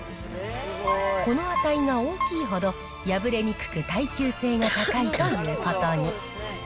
この値が大きいほど、破れにくく耐久性が高いということに。